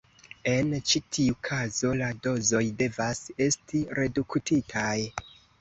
En ĉi tiu kazo, la dozoj devas esti reduktitaj.